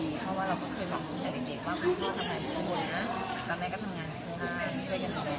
เพราะว่าเราก็เคยบอกตั้งแต่เด็กว่าพ่อทำงานเพื่อพ่อนะแล้วแม่ก็ทำงานเพื่อพ่อช่วยกันหน่อยหน่อย